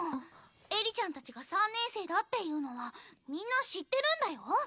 絵里ちゃんたちが３年生だっていうのはみんな知ってるんだよ？